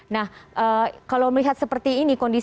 nah kalau melihat seperti ini